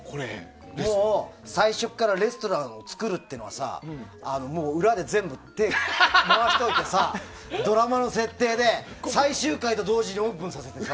もう最初からレストランを作るのってさ裏で全部手を回しておいてさドラマの設定で最終回と同時にオープンさせてさ。